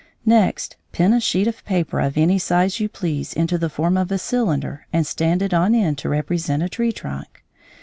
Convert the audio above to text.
Next, pin a sheet of paper of any size you please into the form of a cylinder and stand it on end to represent a tree trunk.